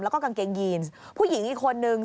แล้วก็กางเกงยีนผู้หญิงอีกคนนึง